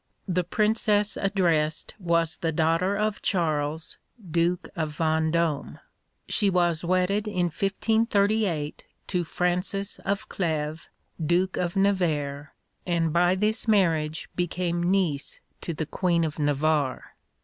The Princess addressed was the daughter of Charles, Duke of Vendôme; she was wedded in 1538 to Francis of Cleves, Duke of Nevers, and by this marriage became niece to the Queen of Navarre.